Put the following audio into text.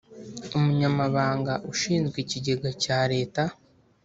umunyamabanga ushinzwe ikigega cya leta